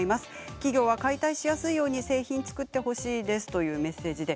企業は解体しやすいように製品を作ってほしいですというメッセージです。